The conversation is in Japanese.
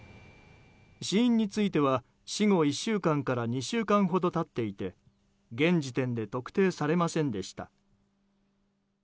死因については死後１週間から２週間ほど経っていて現時点で特定されませんでした。